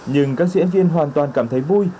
nhưng các diễn viên hoàn toàn cảm thấy vui